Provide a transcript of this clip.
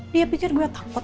dia pikir gue takut